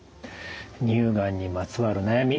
乳がんにまつわる悩み